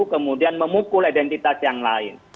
kemudian memukul identitas yang lain